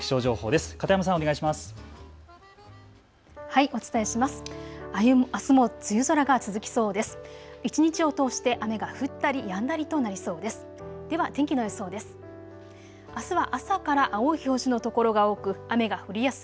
あすも梅雨空が続きそうです。